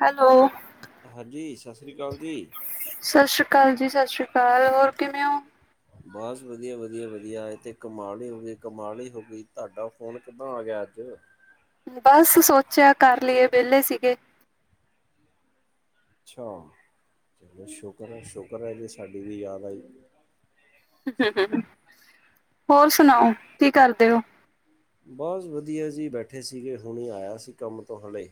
Hello. ਹਾਂਜੀ ਸਾਸਰੀ ਕਾਲ ਜੀ। ਸਾਸ਼ਰੀ ਕਾਲ ਜੀ ਸਾਸ਼ਰੀ ਕਾਲ ਹੋਰ ਕਿਵੇਂ ਓ? ਬਸ ਵਧੀਆ ਵਧੀਆ ਵਧੀਆ ਅੱਜ ਤੇ ਕਮਾਲ ਈ ਹੋ ਗਈ ਕਮਾਲ ਈ ਹੋ ਗਈ ਤੁਹਾਡਾ ਫ਼ੋਨ ਕਿੱਦਾਂ ਆ ਗਿਆ ਅੱਜ। ਬਸ ਸੋਚਿਆ ਕਰ ਲਈਏ ਵਿਹਲੇ ਸੀਗੇ। ਅੱਛਾ, ਚਲੋ ਸ਼ੁਕਰ ਏ ਸ਼ੁਕਰ ਏ ਜੇ ਸਾਡੀ ਵੀ ਯਾਦ ਆਈ। ਹੋਰ ਸੁਣਾਓ, ਕੀ ਕਰਦੇ ਓ? ਬਸ ਵਧੀਆ ਜੀ ਬੈਠੇ ਸੀਗੇ ਹੁਣੇ ਆਇਆ ਸੀ ਕੰਮ ਤੋਂ ਹਲੇ।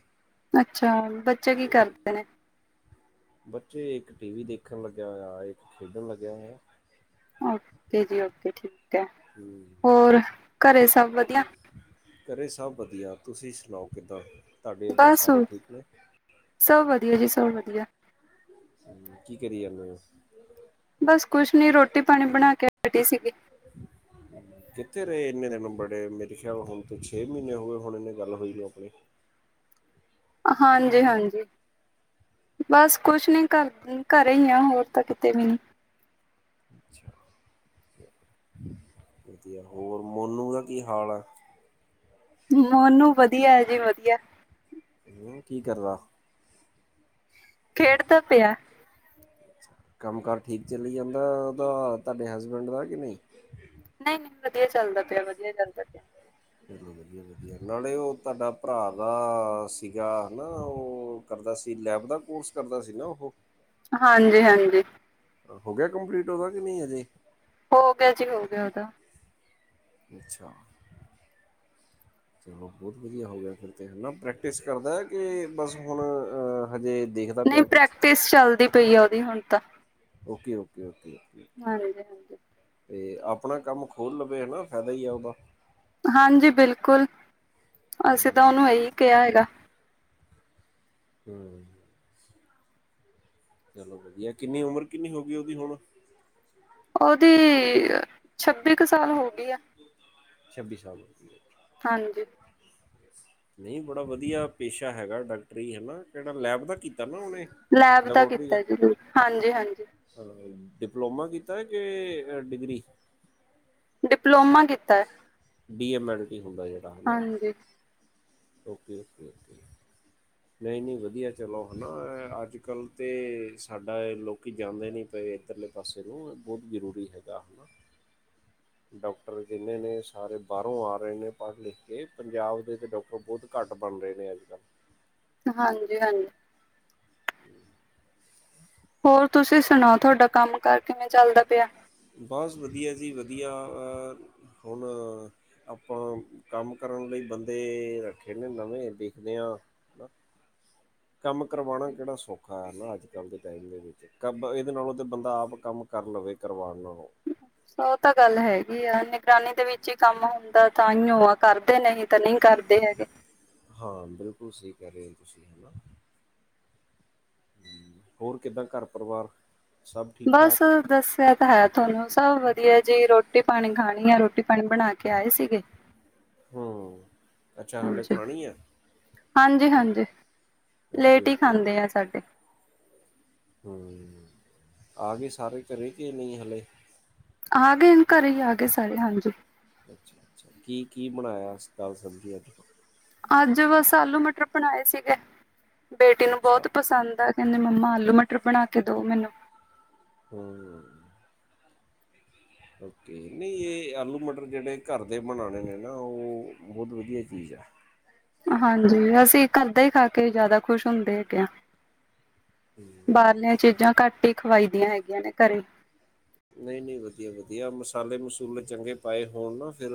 ਅੱਛਾ ਬੱਚੇ ਕੀ ਕਰਦੇ ਨੇ? ਬੱਚੇ ਇੱਕ ਟੀ ਵੀ ਦੇਖਣ ਲੱਗਿਆ ਹੋਇਆ ਇੱਕ ਖੇਡਣ ਲੱਗਿਆ ਹੋਇਆ। ਓਕੇ ਜੀ ਓਕੇ ਠੀਕ ਐ ਹੋਰ ਘਰੇ ਸਭ ਵਧੀਆ। ਘਰੇ ਸਬ ਵਧੀਆ ਤੁਸੀਂ ਸੁਣਾਓ ਕਿੱਦਾਂ, ਤੁਹਾਡੇ ਉੱਧਰ ਬਸ ਸਾਰੇ ਠੀਕ ਨੇ। ਸਭ ਵਧੀਆ ਜੀ ਸਭ ਵਧੀਆ। ਹੂੰ ਕੀ ਕਰੀ ਜਾਨੇ ਓ ਤੁਸੀਂ? ਬਸ ਕੁਛ ਨੀ ਰੋਟੀ ਪਾਣੀ ਬਣਾ ਕੇ ਹਟੀ ਸੀਗੀ ਕਿੱਥੇ ਰਹੇ ਇੰਨੇ ਦਿਨ ਬੜੇ ਮੇਰੇ ਖਿਆਲ ਹੁਣ ਤੇ ਛੇ ਮਹੀਨੇ ਹੋ ਗਏ ਹੋਣੇ ਇਹਨੇ ਗੱਲ ਹੋਈ ਨੂੰ ਆਪਣੀ ਹਾਂਜੀ ਹਾਂਜੀ ਬਸ ਕੁਛ ਨੀ ਘਰ ਘਰੇ ਹੀ ਆ ਹੋਰ ਤਾਂ ਕਿਤੇ ਵੀ ਨੀ ਅੱਛਾ ਵਧੀਆ ਹੋਰ ਮੋਨੂੰ ਦਾ ਕੀ ਹਾਲ ਆ ਨੋਨੂੰ ਵਧੀਆ ਏ ਜੀ ਵਧੀਆ ਤੇ ਹੁਣ ਕੀ ਕਰਦਾ ਖੇਡਦਾ ਪਿਆ ਅੱਛਾ ਕੰਮ ਕਾਰ ਠੀਕ ਚੱਲੀ ਜਾਂਦਾ ਉਹਦਾ ਤੁਹਾਡੇ ਹਸਬੈਂਡ ਦਾ ਕਿ ਨਹੀਂ ਨਹੀਂ ਨਹੀਂ ਵਧੀਆ ਚੱਲਦਾ ਪਿਆ ਵਧੀਆ ਚੱਲਦਾ ਪਿਆ ਚਲੋ ਵਧੀਆ ਵਧੀਆ ਨਾਲੇ ਉਹ ਤੁਹਾਡਾ ਭਰਾ ਦਾ ਸੀਗਾ ਨਾ ਉਹ ਕਰਦਾ ਸੀ ਲੈਬ ਦਾ ਕੋਰਸ ਕਰਦਾ ਸੀ ਨਾ ਉਹ ਹਾਂਜੀ ਹਾਂਜੀ ਹੋ ਗਿਆ ਕੰਪਲੀਟ ਉਹਦਾ ਕਿ ਨਹੀਂ ਅਜੇ ਹੋ ਗਿਆ ਜੀ ਹੋ ਗਿਆ ਉਹਦਾ ਜੀ ਅੱਛਾ [inaudible] ਚਲੋ ਬਹੁਤ ਵਧੀਆ ਹੋ ਗਿਆ ਫਿਰ ਤੇ ਹਨਾ ਪ੍ਰੈਕਟਿਸ ਕਰਦਾ ਹੈ ਕਿ ਬਸ ਹੁਣ ਅ ਹਜੇ ਦੇਖ ਨਹੀਂ ਪ੍ਰੈਕਟਿਸ ਚੱਲਦੀ ਪਈ ਆ ਉਹਦੀ ਹੁਣ ਤਾਂ ਓਕੇ ਓਕੇ ਓਕੇ ਹਾਂਜੀ ਹਾਂਜੀ ਤੇ ਆਪਣਾ ਕੰਮ ਖੋਲ੍ਹ ਲਵੇ ਹਨਾ ਫਾਇਦਾ ਈ ਆ ਉਹਦਾ ਹਾਂਜੀ ਬਿਲਕੁਲ ਅਸੀਂ ਤਾਂ ਉਹਨੂੰ ਹੂੰ ਇਹੀ ਕਿਹਾ ਹੈਗਾ ਹੂੰ ਅੱਛਾ ਚਲੋ ਵਧੀਆ ਕਿੰਨੀ ਉਮਰ ਕਿੰਨੀ ਹੋ ਗਈ ਉਹਦੀ ਹੁਣ ਉਹਦੀ ਛੱਬੀ ਕੁ ਸਾਲ ਹੋ ਗਈ ਆ। ਛੱਬੀ ਸਾਲ ਹਾਂਜੀ ਨਹੀਂ ਬੜਾ ਵਧੀਆ ਪੇਸ਼ਾ ਹੈਗਾ ਡਾਕਟਰੀ ਹੈ ਨਾ ਕਿਹੜਾ ਲੈਬ ਦਾ ਕੀਤਾ ਨਾ ਉਹਨੇ ਲੈਬ ਦਾ ਕੀਤਾ ਜਰੂਰ ਹਾਂਜੀ ਹਾਂਜੀ। ਡਿਪਲੋਮਾ ਕੀਤਾ ਏ ਕਿ ਡਿਗਰੀ ਡਿਪਲੋਮਾ ਕੀਤਾ ਹੈ। ਬੀ ਐਮ ਐਲ ਪੀ ਹੁੰਦਾ ਜਿਹੜਾ ਹੈ ਨਾ ਹਾਂਜੀ ਓਕੇ ਓਕੇ ਓਕੇ [inaudible] ਨਈ ਨਈ ਵਧੀਆ ਚਲੋ ਹੈਨਾ ਅੱਜ ਕੱਲ੍ਹ ਤੇ ਸਾਡਾ ਲੋਕੀ ਜਾਂਦੇ ਨਹੀਂ ਪਏ ਇੱਧਰਲੇ ਪਾਸੇ ਨੂੰ ਬਹੁਤ ਜ਼ਰੂਰੀ ਹੈਗਾ ਹੈਣਾ। ਡਾਕਟਰ ਜਿੰਨੇ ਨੇ ਸਾਰੇ ਬਾਹਰੋਂ ਆ ਰਹੇ ਨੇ ਪੜ੍ਹ ਲਿਖ ਕੇ ਪੰਜਾਬ ਦੇ ਵਿੱਚ ਡਾਕਟਰ ਬਹੁਤ ਘੱਟ ਬਣ ਰਹੇ ਨੇ ਅੱਜ ਕੱਲ੍ਹ ਹਾਂਜੀ ਹਾਂਜੀ [inaudible] ਹੋਰ ਤੁਸੀਂ ਸੁਣਾਓ ਤੁਹਾਡਾ ਕੰਮ ਕਾਰ ਕਿਵੇਂ ਚੱਲਦਾ ਪਿਆ ਬਸ ਵਧੀਆ ਜੀ ਵਧੀਆ ਅ ਹੁਣ ਆਪਾਂ ਕੰਮ ਕਰਨ ਲਈ ਬੰਦੇ ਰੱਖੇ ਨੇ ਨਵੇਂ ਦੇਖਦੇ ਹਾਂ। ਹਨਾ ਕੰਮ ਕਰਵਾਉਣਾ ਕਿਹੜਾ ਸੌਖਾ ਹੈ ਨਾ ਅੱਜ ਕੱਲ੍ਹ ਦੇ ਟਾਈਮ ਦੇ ਵਿੱਚ ਕਬ ਇਹਦੇ ਨਾਲੋਂ ਤੇ ਬੰਦਾ ਆਪ ਕੰਮ ਕਰ ਲਵੇ ਕਰਵਾਉਣ ਨਾਲੋਂ ਉਹ ਤਾਂ ਗੱਲ ਹੈਗੀ ਆ ਨਿਗਰਾਨੀ ਦੇ ਵਿੱਚ ਹੀ ਕੰਮ ਹੁੰਦਾ ਤਾਂ ਇਓ ਆ ਕਰਦੇ ਨੇ ਇਹ ਹ ਕਰ ਨਈ ਕਰਦੇ ਹੈਗੇ ਹਾਂ ਬਿਲਕੁਲ ਸਹੀ ਕਹਿ ਰਹੇ ਹੋ ਤੁਸੀਂ ਹੈ ਨਾ ਹੂੰ, ਹੋਰ ਕਿੱਦਾਂ ਘਰ ਪਰਿਵਾਰ? ਸਭ ਠੀਕ ਬਸ ਠਾਕ ਦੱਸ ਕਿਆ ਤਾਂ ਹੈ ਤੁਹਾਨੂੰ ਸਭ ਵਧੀਆ ਜੀ ਰੋਟੀ ਪਾਣੀ ਖਾਣੀ ਆ ਰੋਟੀ ਪਾਣੀ ਬਣਾ ਕੇ ਆਏ ਸੀਗੇ ਹੂੰ ਅੱਛਾ [inaudible] ਹਾਲੇ ਹਾਂਜੀ ਖਾਣੀ ਆ ਹਾਂਜੀ ਹਾਂਜੀ। ਓਕੇ ਲੇਟ ਈ ਓਕੇ ਖਾਂਦੇ ਆ ਸਾਡੇ ਹੂੰ ਆ ਗਏ ਸਾਰੇ ਘਰੇ ਕੇ ਨਈ ਹਲੇ? ਆ ਗਏ ਘਰੇ ਈ ਆ ਗਏ ਸਾਰੇ ਹਨ ਜੀ। ਅੱਛਾ ਅੱਛਾ ਕੀ- ਕੀ ਬਣਾਇਆ ਦਾਲ਼- ਸਬਜ਼ੀ ਅੱਜ? ਅੱਜ ਬਸ ਆਲੂ ਮਟਰ ਬਣਾਏ ਸੀਗੇ ਬੇਟੀ ਨੂੰ ਬੋਤ ਅੱਛਾ ਪਸੰਦ ਐ। ਕਹਿੰਦੇ ਮੰਮਾ ਆਲੂ ਮਟਰ ਬਣਾ ਕੇ ਦੋ ਮੈਨੂੰ ਹੂੰ [inaudible] ਓਕੇ ਨਈ ਇਹ ਆਲੂ ਮਟਰ ਜਿਹੜੇ ਘਰ ਦੇ ਬਣਾਣੇ ਨੇ ਨਾ ਉਹ ਬਹੁਤ ਵਧੀਆ ਚੀਜ਼ ਐ। ਹਾਂਜੀ ਅਸੀਂ ਘਰ ਦਾ ਹੀ ਖਾ ਕੇ ਜ਼ਿਆਦਾ ਖੁਸ਼ ਹੁੰਦੇ ਹੈਗੇ ਹਾਂ। ਬਾਹਰਲੀਆਂ ਚੀਜ਼ਾਂ ਘੱਟ ਹੀ ਖਵਾਈ ਦੀਆਂ ਹੈਗੀਆਂ ਨੇ ਘਰੇ ਨਈ-ਨਈ ਵਧੀਆ-ਵਧੀਆ ਮਸਾਲੇ ਮਸੂਲੇ ਚੰਗੇ ਪਾਏ ਹੋਣ ਨਾ ਫਿਰ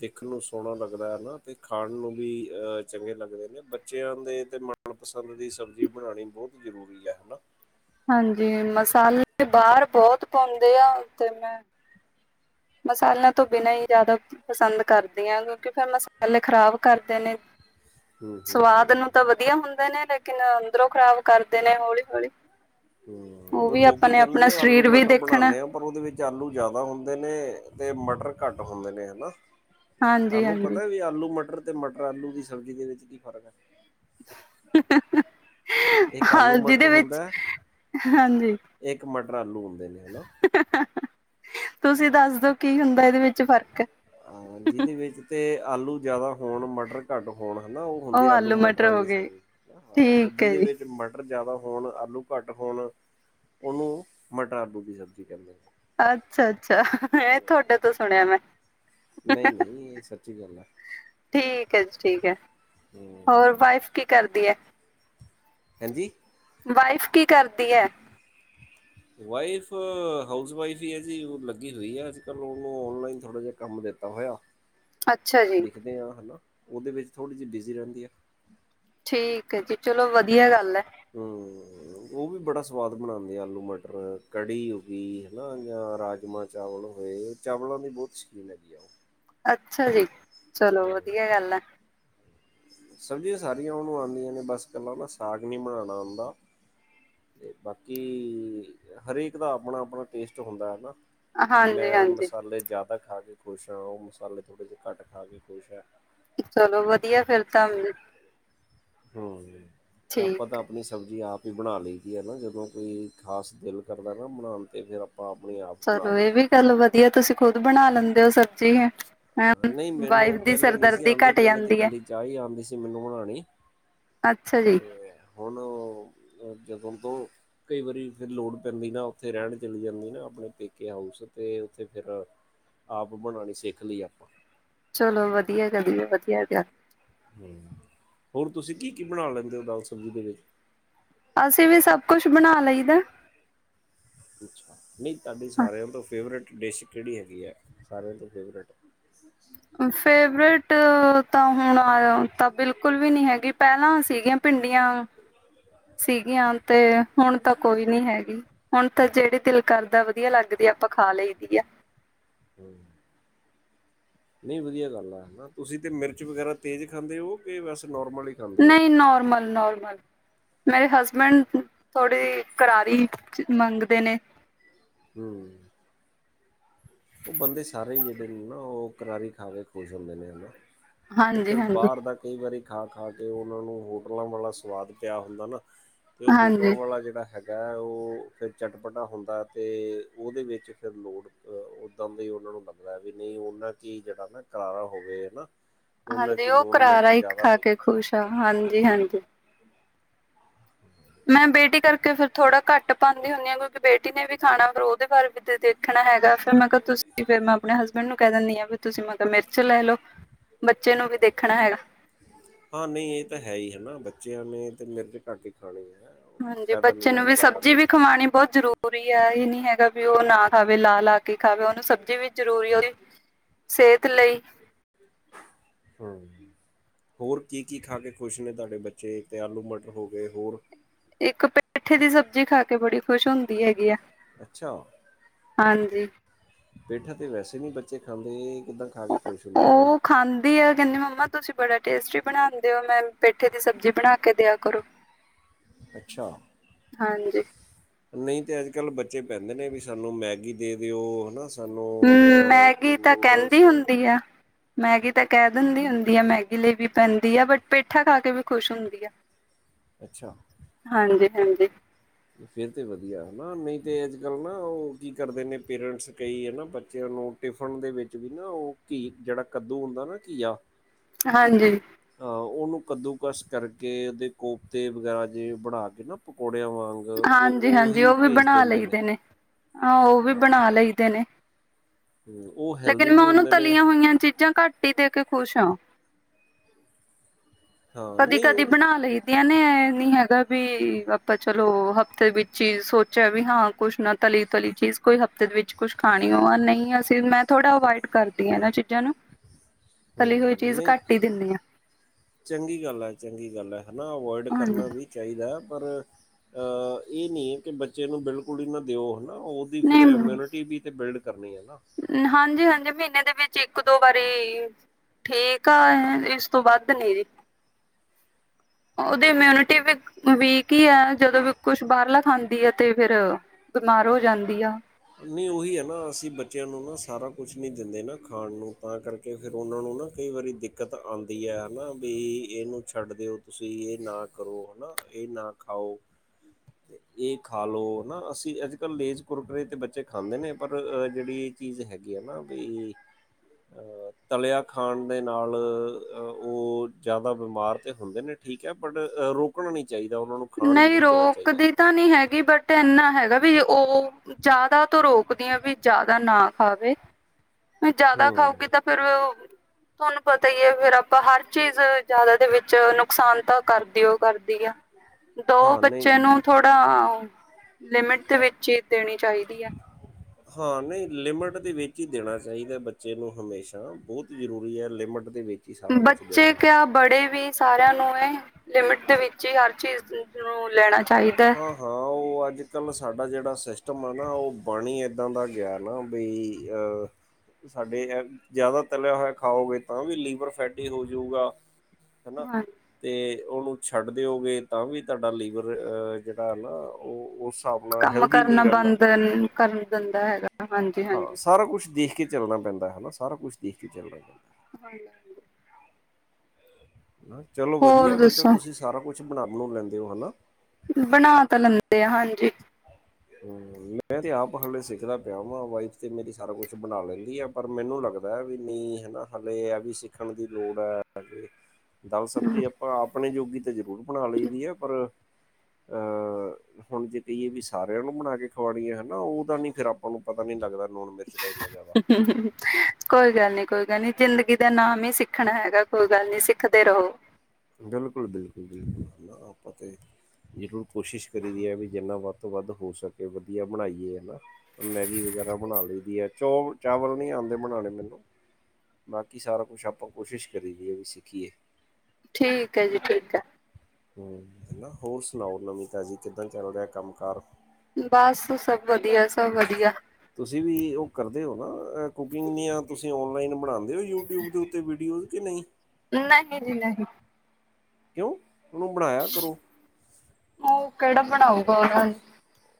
ਦੇਖਣ ਨੂੰ ਸੋਹਣਾ ਲੱਗਦਾ ਹੈ ਨਾ ਤੇ ਖਾਣ ਨੂੰ ਵੀ ਅ ਚੰਗੇ ਲੱਗਦੇ ਨੇ ਬੱਚਿਆਂ ਦੇ ਤੇ ਮਨਪਸੰਦ ਦੀ ਸਬਜ਼ੀ ਬਣਾਣੀ ਬੋ ਜ਼ਰੂਰੀ ਐ ਹਨਾ। ਹਾਂਜੀ ਮਸਾਲੇ ਤੇ ਬਾਹਰ ਬੋਤ ਪਾਉਂਦੇ ਆ ਤੇ ਮੈਂ ਮਸਾਲਿਆਂ ਤੋਂ ਬਿਨਾਂ ਹੀ ਜ਼ਿਆਦਾ ਪਸੰਦ ਕਰਦੀ ਆ ਕਿਉਂਕਿ ਫਿਰ ਮਸਾਲੇ ਖ਼ਰਾਬ ਕਰਦੇ ਨੇ ਹੂੰ ਹੂੰ ਸਵਾਦ ਹੂੰ ਨੂੰ ਤਾਂ ਵਧੀਆ ਹੁੰਦੇ ਨੇ ਲੇਕਿਨ ਅੰਦਰੋਂ ਖਰਾਬ ਕਰਦੇ ਨੇ ਹੌਲੀ-ਹੌਲੀ ਹੂੰ ਉਹ ਲੋਕੀ ਕਹਿੰਦੇ ਨੇ ਆਲੂ ਸਰੀਰ ਵੀ ਮਟਰ ਦੇਖਣਾ ਬਣਾਨੇ ਆ ਪਰ ਉਹਦੇ ਵਿੱਚ ਆਲੂ ਜ਼ਿਆਦਾ ਹੁੰਦੇ ਨੇ ਤੇ ਮਟਰ ਘੱਟ ਹੁੰਦੇ ਨੇ ਹਨਾ। ਹਾਂਜੀ ਤੁਹਾਨੂੰ ਹਾਂਜੀ ਪਤਾ ਵੀ ਆਲੂ ਮਟਰ ਤੇ ਮਟਰ ਆਲੂ ਦੀ ਸਬਜ਼ੀ ਦੇ ਵਿੱਚ ਕੀ ਫ਼ਰਕ ਐ? ਇੱਕ ਹਾਂ ਆਲੂ ਮਟਰ ਜਿਹਦੇ ਵਿੱਚ, ਹੁੰਦਾ ਹੈ ਹਾਂਜੀ। ਇੱਕ ਮਟਰ ਆਲੂ ਹੁੰਦੇ ਨੇ ਹਨਾ ਤੁਸੀਂ ਦੱਸਦੋ ਕੀ ਹੁੰਦਾ ਇਹਦੇ ਵਿੱਚ ਫ਼ਰਕ ਅਮ ਜਿਹਦੇ ਵਿੱਚ ਤੇ ਆਲੂ ਜ਼ਿਆਦਾ ਹੋਣ ਮਟਰ ਘੱਟ ਹੋਣ ਹਨਾ ਉਹ ਹੁੰਦੀ ਆਲੂ ਮਟਰ ਮਟਰਾਂ ਹੋ ਦੀ ਗਏ ਸਬਜੀ ਹਨਾ ਹਾਂ, ਤੇ ਠੀਕ ਹੈ ਜਿਹਦੇ ਜੀ ਵਿੱਚ ਚ ਮਟਰ ਜ਼ਿਆਦਾ ਹੋਣ ਆਲੂ ਘੱਟ ਹੋਣ ਉਹਨੂੰ ਮਟਰ ਆਲੂ ਦੀ ਸਬਜ਼ੀ ਕਹਿੰਦੇ ਨੇ। ਅੱਛਾ ਅੱਛਾ ਇਹ ਤੁਹਾਡੇ ਤੋਂ ਸੁਣਿਆ ਮੈਂ- ਨਈ-ਨਈ ਇਹ ਸੱਚੀ ਗੱਲ ਐ। ਠੀਕ ਐ ਜੀ ਠੀਕ ਐ, ਹਮ ਹੋਰ ਵਾਈਫ ਕੀ ਕਰਦੀ ਐ? ਹੈਜੀ ਵਾਈਫ ਕੀ ਕਰਦੀ ਐ? [inaudible] ਵਾਈਫ ਹਾਊਸ ਵਾਈਫ ਹੀ ਐ ਜੀ ਉਹ ਲੱਗੀ ਹੋਈ ਆ ਅੱਜ ਕੱਲ੍ਹ ਉਹਨੂੰ ਔਨਲਾਈਨ ਥੋੜ੍ਹਾ ਜਿਹਾ ਕੰਮ ਦਿੱਤਾ ਹੋਇਆ [inaudible] ਜੀ, ਲਿਖਦੇ ਆ ਹਨਾ। ਉਹਦੇ ਵਿੱਚ ਥੋੜ੍ਹੀ ਜਿਹੀ ਬਿਜ਼ੀ ਰਹਿੰਦੀ ਐ। ਠੀਕ ਐ ਜੀ ਚਲੋ ਵਧੀਆ ਗੱਲ ਐ। ਹੂੰ। ਉਹ ਵੀ ਬੜਾ ਸਵਾਦ ਬਣਾਂਦੇ ਆ ਆਲੂ ਮਟਰ, ਕੜੀ ਹੋ ਗਈ ਹਨਾ ਜਾਂ ਰਾਜਮਾਂ ਚਾਵਲ ਹੋਏ ਚਾਵਲਾਂ ਦੀ ਬਹੁਤ ਸ਼ੌਕੀਨ ਹੈਗੀ ਆ ਉਹ ਅੱਛਾ ਜੀ, ਚਲੋ ਹੂੰ ਵਧੀਆ ਗੱਲ ਐ। ਸਬਜ਼ੀਆਂ ਸਾਰੀਆਂ ਉਹਨੂੰ ਆਂਦੀਆਂ ਨੇ, ਬਸ ਇਕੱਲਾ ਨਾ ਸਾਗ ਨੀ ਬਣਾਣਾ ਆਂਦਾ। ਤੇ ਬਾਕੀ ਹਰੇਕ ਦਾ ਆਪਣਾ ਆਪਣਾ ਟੇਸਟ ਹੁੰਦਾ ਐ ਨਾ। ਮੈਂ ਹਾਂਜੀ-ਹਾਂਜੀ, ਮਸਾਲੇ ਜ਼ਿਆਦਾ ਖਾ ਕੇ ਖੁਸ਼ ਆ, ਉਹ ਮਸਾਲੇ ਥੋੜ੍ਹੇ ਜਿਹੇ ਘੱਟ ਖਾ ਕੇ ਖੁਸ਼ ਐ। ਚਲੋ ਵਧੀਆ ਫਿਰ ਤਾਂ ਹੂੰ ਆਪਾਂ ਤਾਂ ਠੀਕ ਹੈ, ਆਪਣੀ ਸ ਸਬਜ਼ੀ ਆਪ ਹੀ ਬਣਾ ਲਈ ਦੀ ਆ, ਨਾ ਜਦੋਂ ਕੋਈ‌ ਖਾਸ ਦਿਲ ਕਰਦਾ ਨਾ ਬਣਾਣ 'ਤੇ ਆਪ ਆਪਣੇ ਆਪ ਬਣਾ ਚਲੋ ਲਈ ਇਹ ਵੀ ਦੀ ਹੈ ਗੱਲ ਵਧੀਆ ਤੁਸੀਂ ਖੁਦ ਬਣਾ ਲੈਂਦੇ ਹੋ ਸਬਜ਼ੀ। ਹੂੰ ਨਹੀਂ ਵਾਈਫ ਮੈਨੂੰ ਦੀ ਪਹਿਲੇ ਨਹੀਂ ਸੀ ਸਰਦਰਦੀ ਆਉਂਦੀ ਘੱਟ ਪਹਿਲੇ ਤੇ ਜਾਂਦੀ ਐ। ਇਕੱਲੀ ਚਾਹ ਹੀ ਆਉਂਦੀ ਸੀ ਮੈਨੂੰ ਬਣਾਉਣੀ ਤੇ ਹੁਣ ਜਦੋਂ ਤੋਂ ਕਈ ਵਾਰੀ ਫਿਰ ਲੋੜ ਪੈਂਦੀ ਨਾ, ਉੱਥੇ ਰਹਿਣ ਚਲੀ ਜਾਂਦੀ ਨਾ, ਆਪਣੇ ਪੇਕੇ ਹਾਊਸ ਤੇ ਉੱਥੇ ਫਿਰ ਆਪ ਬਣਾਣੀ ਸਿੱਖ ਲੀ ਆਪਾਂ। ਚਲੋ ਵਧੀਆ ਕਦੀ ਵਧੀਆ ਗਿਆ ਹੂੰ ਹੁਣ ਤੁਸੀਂ ਕੀ ਕੀ ਬਣਾ ਲਗਦੇ ਓ ਦਾਲ ਸਬਜ਼ੀ ਦੇ ਵਿੱਚ? ਅਸੀਂ ਵੀ ਸਭ ਕੁਛ ਬਣਾ ਲਈਦਾ। ਅੱਛਾ, ਨਹੀਂ ਤੁਹਾਡੀ ਸਾਰਿਆਂ ਤੋਂ ਫੇਵਰੇਟ ਡਿਸ਼ ਕਿਹੜੀ ਹੈਗੀ ਐ, ਸਾਰਿਆਂ ਤੋਂ ਫੇਵਰੇਟ? ਫੇਵਰੇਟ ਤਾਂ ਹੁਣ ਆਇਆ ਤਾਂ ਬਿਲਕੁਲ ਵੀ ਨੀ ਹੈਗੀ, ਪਹਿਲਾਂ ਸੀਗੀਆਂ ਭਿੰਡੀਆਂ। ਸੀਗੀਆਂ ਤੇ ਹੁਣ ਤਾਂ ਕੋਈ ਨਹੀਂ ਹੈਗੀ। ਹੁਣ ਤਾਂ ਜਿਹੜੀ ਦਿਲ ਕਰਦਾ ਵਧੀਆ ਲੱਗਦੀਆ ਆਪਾਂ ਖਾ ਲਈ ਦੀ ਆ। ਹੂੰ। ਨਹੀਂ ਵਧੀਆ ਗੱਲ ਆ, ਹਨਾ ਤੁਸੀਂ ਤੇ ਮਿਰਚ ਵਗੈਰਾ ਤੇਜ਼ ਖਾਂਦੇ ਹੋ ਕਿ ਬਸ ਨੋਰਮਲ ਈ ਨਹੀਂ ਨੋਰਮਲ ਨੋਰਮਲ। ਮੇਰੇ ਹਸਬੈਂਡ ਥੋੜੀ ਕਰਾਰੀ ਮੰਗਦੇ ਨੇ। ਕੀ [unintelligible] ਉਹ ਬੰਦੇ ਸਾਰੇ ਹੀ ਜਿਹੜੇ ਨੇ ਨਾ ਉਹ ਕਰਾਰੀ ਖਾ ਕੇ ਖੁਸ਼ ਹੁੰਦੇ ਨੇ ਹੈਨਾ। ਉਹ ਹਾਂਜੀ ਫਿਰ ਹਾਂਜੀ ਬਾਹਰ ਦਾ ਕਈ ਵਾਰੀ ਖਾ ਖਾ ਕੇ ਉਹਨਾਂ ਨੂੰ ਹੋਟਲਾਂ ਵਾਲਾ ਸਵਾਦ ਪਿਆ ਹੁੰਦਾ ਨਾ। ਤੇ ਹੋਟਲਾਂ ਹਾਂਜੀ ਵਾਲਾ ਜਿਹੜਾ ਹੈਗਾ ਉਹ ਫਿਰ ਚਟਪਟਾ ਹੁੰਦਾ ਤੇ ਉਹਦੇ ਵਿੱਚ ਫਿਰ ਲੋੜ ਓਦਾਂ ਦਾ ਹੀ ਉਹਨਾ ਨੂੰ ਲੱਗਦਾ ਵੀ ਨਹੀਂ ਉਹਨਾ ਕੀ ਜਿਹੜਾ ਨਾ ਕਰਾਰਾ ਹੋਵੇ ਹੈਨਾ। ਹਾਂਜੀ, ਉਹ ਕਰਾਰਾ ਈ ਖਾ ਕੇ ਖ਼ੁਸ਼ ਆ ਹਾਂਜੀ ਹਾਂਜੀ। [unintelligible] ਮੈਂ ਬੇਟੀ ਕਰਕੇ ਫਿਰ ਥੋੜਾ ਘੱਟ ਪਾਨੀ ਹੂਨੀ ਆ, ਕਿਉਂਕਿ ਬੇਟੀ ਨੇ ਵੀ ਖਾਣਾ ਹੁੰਦਾ ਫਿਰ ਉਹਦੇ ਵਾਰੇ ਵੀ ਤੇ ਦੇਖ ਦੇਖਣਾ ਹੈਗਾ ਫਿਰ ਮੈਂ ਕਿਹਾ ਤੁਸੀਂ ਫਿਰ ਮੈਂ ਆਪਣੇ ਹਸਬੈਂਡ ਨੂੰ ਕਹਿ ਦਿੰਨ ਹਾਂ, ਵੀ ਤੁਸੀਂ ਮਤਲਬ ਮਿਰਚ ਲੈ ਲਓ। ਬੱਚੇ ਨੂੰ ਵੀ ਦੇਖਣਾ ਹੈਗਾ। ਹਾਂ ਨਹੀਂ ਇਹ ਤਾਂ ਹੈ ਹੀ ਹੈਨਾ ਬੱਚਿਆਂ ਨੇ ਤੇ ਮਿਰਜ਼ ਘੱਟ ਹੀ ਖਾਣੀ ਆ। ਹਾਂਜੀ, ਬੱਚੇ ਨੂੰ ਵੀ ਸਬਜ਼ੀ ਵੀ ਖਵਾਉਣੀ ਬਹੁਤ ਜ਼ਰੂਰੀ ਹੈ ਇਹ ਨੀ ਹੈਗਾ ਵੀ ਉਹ ਨਾ ਖਾਵੇ ਲਾ ਲਾ ਕੇ ਖਾਵੇ ਉਹਨੂੰ ਸਬਜ਼ੀ ਵੀ ਜ਼ਰੂਰੀ ਉਹਦੀ ਸਿਹਤ ਲਈ। ਹੂੰ। ਹੋਰ ਕੀ ਕੀ ਖਾ ਕੇ ਖੁਸ਼ ਨੇ ਤੁਹਾਡੇ ਬੱਚੇ ਤਾਂ ਆਲੂ ਮਟਰ ਹੋ ਗਏ ਹੋਰ। ਇੱਕ ਪੇਠੇ ਦੀ ਸਬਜ਼ੀ ਖਾ ਕੇ ਬੜੀ ਖੁਸ਼ ਹੁੰਦੀ ਹੈਗੀ ਆ। ਅੱਛਾ, ਹਾਂਜੀ ਪੇਠਾਂ ਤੇ ਵੈਸੇ ਨਹੀਂ ਬੱਚੇ ਖਾਂਦੇ ਇਹ ਕਿੱਦਾਂ ਖਾਕੇ ਖੁਸ਼ ਹੁੰਦੇ ਆ ਬਾਈ। ਦੀ ਆ ਕਹਿੰਦੀ ਮੰਮਾ ਤੁਸੀਂ ਬੜਾ ਟੇਸਟੀ ਬਣਾਉਂਦੇ ਹੋ ਮੈਂਨ ਪੇਠੇ ਦੀ ਸਬਜ਼ੀ ਬਣਾ ਕੇ ਦਿਆ ਕਰੋ। [unintelligible] ਅੱਛਾ। ਹਾਂਜੀ ਨਹੀਂ ਤੇ ਅੱਜ ਕੱਲ ਬੱਚੇ ਪੈਂਦੇ ਨੇ ਵੀ ਸਾਨੂੰ ਮੈਗੀ ਦੇ ਦਿਓ ਹਨਾ। ਸਾਨੂੰ ਹ ਬ ਮੈਗੀ ਤਾਂ ਨੂਡਲਸ। ਕਹਿੰਦੀ ਹੁੰਦੀ ਆ ਮੈਗੀ ਤਾਂ ਕਹਿ ਦਿੰਦੀ ਹੁੰਦੀ ਆ ਮੈਗੀ ਲਈ ਵੀ ਪੈਂਦੀ ਆ ਬਟ ਪੇਠਾ ਖਾ ਕੇ ਵੀ ਖੁਸ਼ ਹੁੰਦੀ ਆ। [inaudible] ਅੱਛਾ। ਹਾਂਜੀ- ਹਾਂਜੀ। ਫੇਰ ਤੇ ਵਧੀਆ ਹਨਾ ਨਹੀਂ ਤੇ ਅੱਜ ਕੱਲ ਨਾ ਉਹ ਕੀ ਕਰਦੇ ਨੇ ਪੇਰੈਂਟਸ ਕਈ ਹਨਾ ਬੱਚਿਆਂ ਨੂੰ ਟਿਫਨ ਦੇ ਵਿੱਚ ਵੀ ਨਾ ਉਹ ਘੀ ਜਿਹੜਾ ਕੱਦੂ ਹੁੰਦਾ ਨਾ ਘੀਆ। ਹਾਂਜੀ। ਅ ਉਹਨੂੰ ਕੱਦੂਕਸ਼ ਕਰਕੇ ਉਹਦੇ ਕੋਪਤੇ ਵਗੈਰਾ ਜੇ ਬਣਾ ਕੇ ਨਾ ਪਕੌੜਿਆਂ ਵਾਂਗ। ਉਹ ਹਾਂਜੀ- ਹਾਂਜੀ ਉਹੀ ਉਹ ਵੀ ਭੇਜ ਬਣਾ ਦਿੰਦੇ ਲਈਦੇ ਨੇ, ਹਾਂ ਉਹ ਵੀ ਹਾਂ ਬਣਾ ਲਈਦੇ ਨੇ। ਹੂੰ, ਉਹ ਲੇਕਿਨ ਹੈਲਦੀ ਮੈਂ ਵੀ ਉਹਨੂੰ ਹੁੰਦੇ ਨੇ ਤਲੀਆਂ ਹੋਈਆਂ ਚੀਜ਼ਾਂ ਘੱਟ ਹੀ ਦੇ ਕੇ ਖੁਸ਼ ਹਾਂ। ਹਾਂ ਕਦੀ- ਨਹੀਂ ਕਦੀ ਉਹ ਬਣਾ ਲਈ ਦੀਆਂ ਨੇ ਇਹ ਨੀ ਹੈਗਾ ਵੀ ਆਪਾਂ ਚਲੋ ਹਫ਼ਤੇ ਵਿੱਚ ਹੀ ਸੋਚਿਆ ਵੀ ਹਾਂ ਕੁਛ ਨਾ ਤਲੀ- ਤਲੀ ਚੀਜ਼ ਕੋਈ ਹਫ਼ਤੇ ਦੇ ਵਿੱਚ ਕੁਛ ਖਾਣੀ ਹੋਵਾ ਨਹੀਂ ਅਸੀਂ ਮੈਂ ਥੋੜਾ ਅਵਾਇਡ ਕਰਦੀ ਹਾਂ ਇਹਨਾਂ ਚੀਜ਼ਾਂ ਨੂੰ। [inaudible] ਹੂੰ ਹੋਈ ਚੀਜ਼ ਨਹੀਂ ਘੱਟ ਹੀ ਦਿੰਦੀ ਆ ਚੰਗੀ ਗੱਲ ਆ- ਚੰਗੀ ਗੱਲ ਆ। ਹਨਾ ਅਵਇਡ ਹਾਂਜੀ ਕਰਨਾ ਵੀ ਚਾਹੀਦਾ ਏ ਪਰ ਇਹ ਨਹੀਂ ਕਿ ਬੱਚੇ ਨੂੰ ਬਿਲਕੁਲ ਹੀ ਨਾ ਦਿਓ ਹਨਾ ਉਹ ਦੀ ਫੇਰ ਨਹੀਂ ਇਮਿਊਨਿਟੀ ਵੀ ਤੇ ਬਿਲਡ ਕਰਨੀ ਹੈ ਨਾ। ਹਾਂਜੀ- ਹਾਂਜੀ ਮਹੀਨੇ ਦੇ ਵਿੱਚ ਇੱਕ- ਦੋ ਵਾਰੀ, ਠੀਕ ਆ ਇਸ ਤੋਂ ਵੱਧ ਨੀ ਜ- ਉਹਦੀ ਇਮਿਊਨਿਟੀ ਵੀ ਵੀਕ ਹੀ ਆ ਜਦੋਂ ਵੀ ਕੁਛ ਬਾਹਰਲਾ ਖਾਂਦੀ ਹੈ ਤੇ ਫੇਰ- ਬਿਮਾਰ ਹੋ ਜਾਂਦੀ ਆ। ਨਹੀਂ ਉਹੀ ਹੈ ਨਾ ਅਸੀਂ ਬੱਚਿਆਂ ਨੂੰ ਨਾ ਸਾਰਾ ਕੁਛ ਨਹੀਂ ਦਿੰਦੇ ਨਾ ਖਾਣ ਨੂੰ ਤਾਂ ਕਰ- ਕੇ ਫੇਰ ਉਹਨਾਂ ਨੂੰ ਨਾ ਕਈ ਵਾਰੀ ਦਿੱਕਤ ਆਂਦੀ ਐ ਨਾ ਵੀ ਇਹਨੂੰ ਛੱਡ ਦਿਓ। ਤੁਸੀ ਇਹ ਨਾ ਕਰੋ ਹਨਾ, ਇਹ ਨਾ ਖਾਓ। [inaudible] ਤੇ ਇਹ ਖਾ ਲਓ ਹਨਾ ਅਸੀਂ ਅੱਜ-ਕੱਲ ਲੇਜ, ਕੁਰਕਰੇ। ਤੇ ਬੱਚੇ ਖਾਂਦੇ ਨੇ ਪਰ ਜਿਹੜੀ ਇਹ ਚੀਜ਼ ਹੈਗੀ ਆ ਨਾ ਬਈ, ਤਲਿਆ ਖਾਣ ਦੇ ਨਾਲ ਉਹ ਜ਼ਿਆਦਾ ਬਿਮਾਰ ਤਾਂ ਹੁੰਦੇ ਨੇ- ਠੀਕ ਹੈ ਬਟ ਰੋਕਣਾ ਨਹੀਂ ਚਾਹੀਦਾ ਉਹਨਾਂ ਨੂੰ। ਖਾਣ ਨਹੀਂ ਜ਼ਰੂਰ ਦੇਣਾ ਚਾਹੀਦਾ ਰੋਕਦੀ ਤਾਂ ਨਹੀ ਹੈਗੀ ਬਟ ਇੰਨਾ ਹੈਗਾ- ਵੀ ਉਹ ਜ਼ਿਆਦਾ ਤੋਂ ਰੋਕਦੀਆਂ ਵੀ ਜ਼ਿਆਦਾ ਨਾ ਖਾਵੇ। ਜਿਆਦਾ ਹਮ ਖਾਊਗੀ ਤਾਂ ਫੇਰ ਉਹ, ਤੁਹਾਨੂੰ ਪਤਾ ਹੀ ਹੈ ਫੇਰ ਆਪਾਂ ਹਰ ਚੀਜ਼ ਜ਼ਿਆਦਾ ਦੇ ਵਿੱਚ ਨੁਕਸਾਨ ਤਾਂ ਕਰਦੀਓ ਕਰਦੀ ਆ। ਦਾਓ ਹਾਂ ਨਹੀਂ ਬੱਚੇ ਨੂੰ ਥੋੜਾ ਓ ਲਿਮਿਟ ਦੇ ਵਿੱਚ ਹੀ ਦੇਣੀ ਚਾਹੀਦੀ ਆ। ਹਾਂ ਨਹੀਂ ਲਿਮਿਟ ਦੇ ਵਿੱਚ ਹੀ ਦੇਣਾ ਚਾਹੀਦਾ ਬੱਚੇ ਨੂੰ ਹਮੇਸ਼ਾ ਬਹੋਤ ਜ਼ਰੂਰੀ ਹੈ ਲਿਮਿਟ ਦੇ ਵਿੱਚ। ਹੀ ਸਾਰਾ ਕੁਛ ਬੱਚੇ ਦੇਣਾ ਹੈ ਕਿਆ ਬੜੇ ਵੀ ਸਾਰਿਆਂ ਨੂੰ। ਆਏ, ਲਿਮਿਟ ਦੇ ਵਿੱਚ ਈ ਹਰ ਚੀਜ਼ ਨੂੰ ਲੈਣਾ ਚਾਈਦੈ। ਹਾਂ ਹਾਂ, ਉਹ ਅੱਜ-ਕੱਲ੍ਹ ਸਾਡਾ ਜੇੜਾ ਸਿਸਟਮ ਆ ਨਾ, ਉਹ ਬਨ ਈ ਏਦਾਂ ਦਾ ਗਿਆ ਨਾ, ਬਈ ਯਾ ਸਾਡੇ ਏ, ਜਾਦਾ ਤਲਿਆ ਹੋਇਆ ਖਾਓਗੇ ਤਾਂ ਵੀ ਲੀਵਰ ਫੈਟੀ ਹੋਜੂਗਾ। ਹਨਾ, ਹਾਂਜੀ, 'ਤੇ ਓਨੂੰ ਛੱਡ ਦਿਓਗੇ ਤਾਂ ਵੀ ਤੁਹਾਡਾ ਲੀਵਰ, ਅਹ ਜੇੜਾ ਨਾ, ਓ ਓਸ ਹਿਸਾਬ ਨਾਲ ਹੈਲਦੀ ਨਈਂ ਰੈਂਦਾ ਨਾ। ਘਰ ਵੀ ਗੰਦਾ ਹੈਗਾ। ਹਾਂ, ਹਾਂਜੀ-ਹਾਂਜੀ। ਸਾਰਾ ਕੁਛ ਦੇਖ ਕੇ ਚੱਲਨਾ ਪੈਂਦਾ ਹੈਨਾ, ਸਾਰਾ ਕੁਛ ਦੇਖ ਕੇ ਚੱਲਨਾ ਪੈਂਦਾ। ਹਾਏ! ਚਲੋ ਹੋਰ ਵਦੀਆ, ਫਿਰ ਤਾਂ ਦੱਸੋ ਤੁਸੀਂ ਸਾਰਾ ਕੁਛ ਬਨਾ- ਬਨੂੰ ਲੈਂਦੇ ਓ, ਹੈਨਾ? ਬਨਾ ਤਾਂ ਲੈਂਦੇ ਆ, ਹਾਂਜੀ। ਹੂੰ, ਮੈਂ ਤੇ ਆਪ ਹਾਲੇ ਸਿੱਖਦਾ ਪੇਆ ਵਾਂ, ਵਾਈਫ ਤੇ ਮੇਰੀ ਸਾਰਾ ਕੁਛ ਬਨਾ ਲੈਂਦੀ ਆ। ਪਰ ਮੈਨੂੰ ਲੱਗਦੈ ਵੀ ਨਈਂ, ਹਨਾ? ਹਾਲੇ ਐ ਵੀ ਸਿੱਖਨ ਦੀ ਲੋੜ ਐ, ਹਾਲੇ। ਹ [inaudible] ਦਾਲ-ਸਬਜ਼ੀ ਆਪਾਂ ਆਪਨੇ ਜੋਗੀ ਤਾਂ ਜ਼ਰੂਰ ਬਨਾ ਲਈ ਦੀ ਏ, ਪਰ ਅਹ, ਹੁਨ ਜੇ ਕਈਏ ਵੀ ਸਾਰਿਆਂ ਨੂੰ ਬਨਾ ਕੇ ਖਵਾ ਰੀ ਏ ਹੈਨਾ? ਉਹ ਤਾਂ ਨੀ ਫਿਰ ਆਪ ਓਨੂੰ ਪਤਾ ਨੀ ਲੱਗਦਾ, ਲੂਨ, ਮਿਰਚ ਦਾ ਇੰਨਾ ਜਾਦਾ। ਉਹੂੰ, ਉਹੂੰ। ਕੋਈ ਗੱਲ ਨੀ, ਕੋਈ ਗੱਲ ਨੀ। ਜ਼ਿੰਦਗੀ ਦਾ ਨਾਮ ਈ ਸਿੱਖਨਾ ਹੈਗਾ, ਕੋਈ ਗੱਲ ਨੀ, ਸਿੱਖਦੇ ਰਹੋ। ਬਿਲਕੁਲ-ਬਿਲਕੁਲ-ਬਿਲਕੁਲ, ਹਨਾ? ਆਪਾਂ 'ਤੇ ਜ਼ਰੂਰ ਕੋਸ਼ਿਸ਼ ਕਰੀ ਦੀ ਐ ਵੀ ਜਿੰਨਾ ਵੱਦ ਤੋਂ ਵੱਦ ਹੋ ਸਕੇ ਵਦੀਆ ਬਨਾਈਏ, ਹੈਨਾ? ਮੈਗੀ ਵਗੈਰਾ ਬਨਾ ਲਈ ਦੀ ਐ, ਚੋਲ- ਚਾਵਲ ਨੀ ਆਂਦੇ ਬਨਾਣੇ ਮੈਨੂੰ। ਬਾਕੀ ਸਾਰਾ ਕੁਛ ਆਪਾਂ ਕੋਸ਼ਿਸ਼ ਕਰੀਦੀ ਏ ਵੀ ਸਿੱਖੀਏ। ਠੀਕ ਐ ਜੀ, ਠੀਕ ਐ। ਹੂੰ, ਹਨਾ। ਹੋਰ ਸੁਨਾਓ, ਨਵੀ-ਤਾਜ਼ੀ? ਕਿੱਦਾਂ ਚੱਲ ਰੇਆ ਕੰਮ-ਕਾਰ? ਬਸ, ਸਭ ਵਦੀਆ, ਸਭ ਵਦੀਆ। ਤੁਸੀਂ ਵੀ ਉਹ ਕਰਦੇ ਓ ਨਾ, ਅਹ ਕੁਕਿੰਗ ਦੀਆਂ ਤੁਸੀ ਔਨਲਾਈਨ ਬਣਾਂਦੇ? ਇਹ ਵੀ ਯੂਟਿਊਬ ਦੇ ਉੱਤੇ ਵੀਡੀਓਜ਼ ਕਿ ਨਈਂ? ਨਹੀਂ ਜੀ, ਨਹੀਂ। ਕਿਉਂ, ਉਨੂੰ ਬਣਾਇਆ ਕਰੋ। ਉਹ ਕੇੜਾ ਬਣਾਉਗਾ ਉਨਾਂ ਨੂੰ?